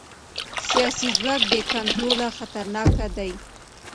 سیاسي ځواک بې کنټروله خطرناک دی